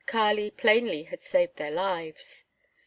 Kali plainly had saved their lives.